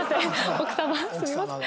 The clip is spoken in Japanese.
奥様すみません。